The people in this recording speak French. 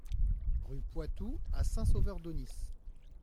Rue Poitou à Saint-Sauveur-d'Aunis